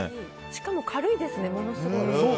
しかも軽いですね、ものすごい。